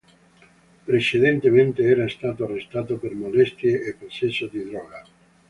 Precedentemente era stato arrestato per molestie e possesso di droga.